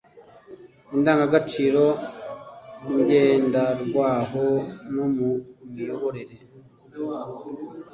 indangagaciro ngenderwaho no mu miyoborere.